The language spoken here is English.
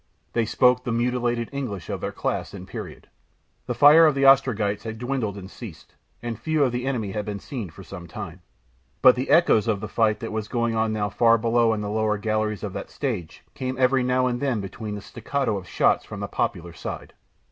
They spoke the mutilated English of their class and period. The fire of the Ostrogites had dwindled and ceased, and few of the enemy had been seen for some time. But the echoes of the fight that was going on now far below in the lower galleries of that stage, came every now and then between the staccato of shots from the popular side.